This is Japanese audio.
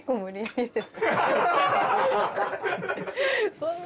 そんな。